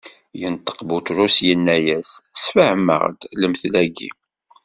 Inṭeq Buṭrus, inna-as: Sefhem-aɣ-d lemtel-agi.